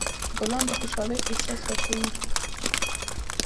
ګلان د خوشحالۍ احساس ورکوي.